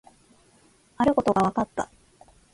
あることが分かった